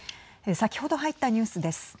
先ほど入ったニュースです。